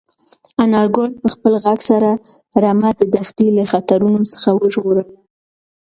انارګل په خپل غږ سره رمه د دښتې له خطرونو څخه وژغورله.